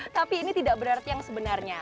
tapi ini tidak berarti yang sebenarnya